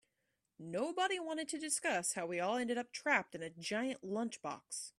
Nobody wanted to discuss how we all ended up trapped in a giant lunchbox.